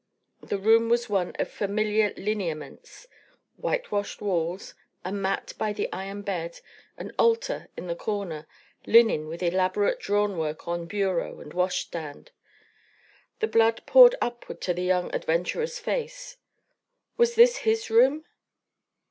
The room was one of familiar lineaments, whitewashed walls, a mat by the iron bed, an altar in the corner, linen with elaborate drawn work on bureau and washstand. The blood poured upward to the young adventurer's face. Was this his room?